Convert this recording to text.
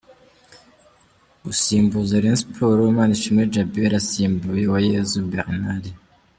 Gusimbuza Rayon Sports: Manishimwe Djabel asimbuye Uwayezu Bernard.